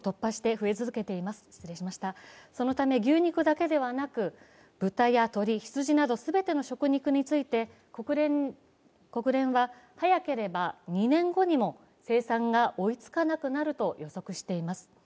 そのため牛肉だけではなく、豚や鶏、羊など全ての食肉について、国連は早ければ２年後にも生産が追いつかなくなると予測しています。